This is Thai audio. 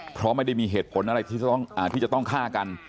เพราะไม่ได้มีเหตุผลอะไรที่จะต้องฆ่ากัน